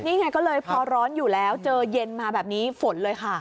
นี่ไงก็เลยพอร้อนอยู่แล้วเจอเย็นมาแบบนี้ฝนเลยค่ะ